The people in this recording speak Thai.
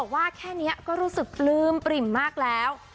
ว่าแค่นี้ก็รู้สึกปลื้มปริ่มมากแล้ว